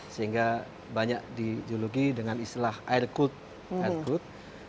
sehingga banyak dijuluki dengan istilah air quote